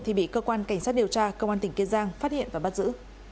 thì bị cơ quan cảnh sát điều tra cơ quan tỉnh kiên giang phát hiện và bắt giữ